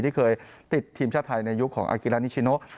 ที่เคยติดทีมชาติไทยในยุคของอากิรานิชิโน